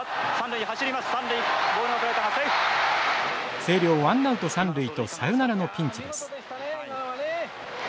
星稜ワンナウト三塁とサヨナラのピンチです。